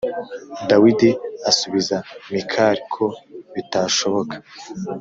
Dawidi asubiza Mikali ko bitashoboka